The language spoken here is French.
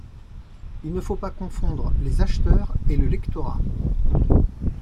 Il ne faut pas confondre les acheteurs et le lectorat.